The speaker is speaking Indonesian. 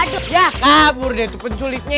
duh kabur deh tuh penculiknya